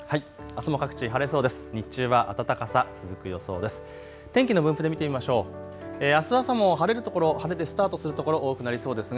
あすも各地、晴れそうです。